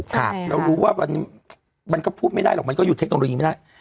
เรารู้ว่ามันก็พูดไม่ได้หรอกมันก็อยู่เทคโนโลยีไม่ได้